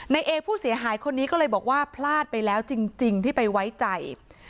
เอผู้เสียหายคนนี้ก็เลยบอกว่าพลาดไปแล้วจริงที่ไปไว้ใจ